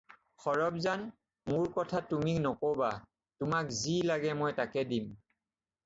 সৰব্জান, মোৰ কথা তুমি নক'বা, তোমাক যি লাগে মই তাকে দিম।